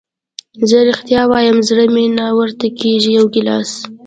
زه رښتیا وایم زړه مې نه ورته کېږي، یو ګیلاس.